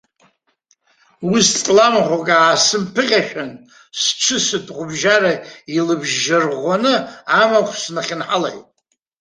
Ус ҵламахәык аасымԥыхьашәан, сҽы сытәӷәыбжьара илыбжьарӷәӷәаны, амахә снахьынҳалеит.